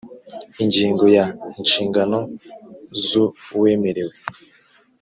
ingingo ya inshingano z uwemerewe